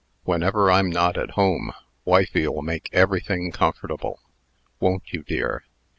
Whenever I'm not at home, wifey'll make everything comfortable. Won't you, dear?"